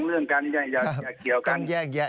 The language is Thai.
ภัยบูรณ์นิติตะวันภัยบูรณ์นิติตะวัน